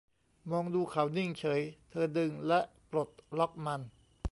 มองดูเขานิ่งเฉย เธอดึงและปลดล็อกมัน